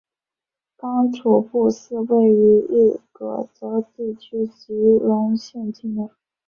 刚楚布寺位于日喀则地区吉隆县境内。